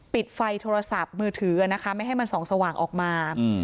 ปิดไฟโทรศัพท์มือถือนะคะไม่ให้มันส่องสว่างออกมา